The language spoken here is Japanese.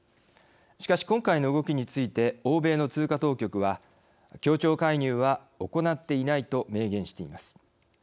しかし、今回の動きについて欧米の通貨当局は協調介入は行っていないと明言しています。